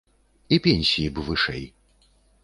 І пенсіі б вышэй.